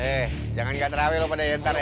eh jangan gak terawih lo pada yatar ya